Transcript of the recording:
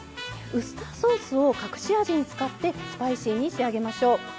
ウスターソースを隠し味に使ってスパイシーに仕上げましょう。